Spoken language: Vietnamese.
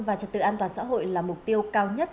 và trật tự an toàn xã hội là mục tiêu cao nhất